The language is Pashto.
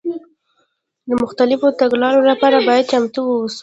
د مختلفو تګلارو لپاره باید چمتو واوسو.